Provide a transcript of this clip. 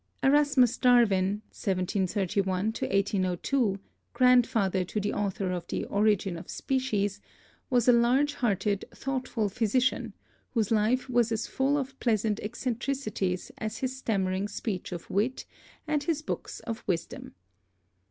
Erasmus Darwin (1731 1802), grandfather to the author of the Origin of Species, was a large hearted, thoughtful physician, whose life was as full of pleasant eccentricities as his stammering speech of wit and his books of wisdom.